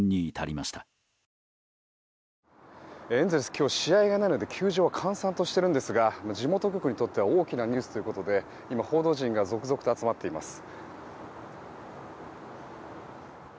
今日は試合がないので球場は閑散としているんですが地元にとっては大きなニュースということで今報道陣が続々集まっています。